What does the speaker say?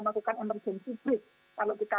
melakukan energi yang sifat kalau kita